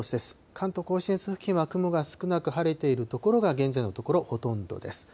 関東甲信越付近は雲が少なく晴れている所が、現在のところ、ほとんどです。